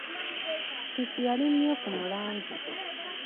Ppiki yali mmyufu mu langi.